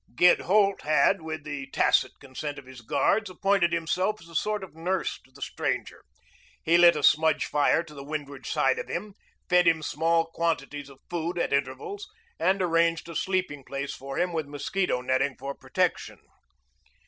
Gid Holt had, with the tacit consent of his guards, appointed himself as a sort of nurse to the stranger. He lit a smudge fire to the windward side of him, fed him small quantities of food at intervals, and arranged a sleeping place for him with mosquito netting for protection.